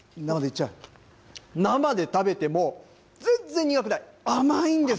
生で食べても全然苦くない、甘いんです